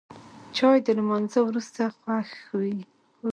چای د لمانځه وروسته خوږ وي